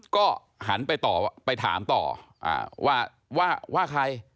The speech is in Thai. ก็หันไปถามต่อว่าใคร